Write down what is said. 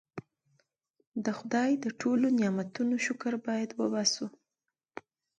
د خدای د ټولو نعمتونو شکر باید وباسو.